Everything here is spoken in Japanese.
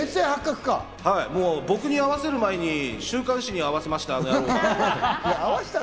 僕に会わせる前に週刊誌に会わせましたって。